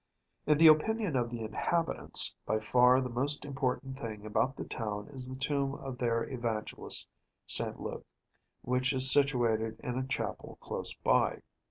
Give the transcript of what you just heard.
In the opinion of the inhabitants, by far the most important thing about the town is the tomb of their Evangelist S. Luke, which is situated in a chapel close by.